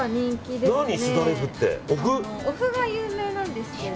お麩が有名なんですけど。